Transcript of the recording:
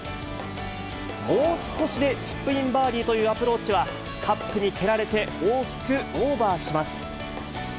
もう少しでチップインバーディーというアプローチは、カップに蹴られて大きくオーバーします。